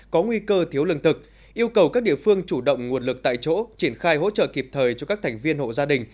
có nguy cơ thiếu lương thực yêu cầu các địa phương chủ động nguồn lực tại chỗ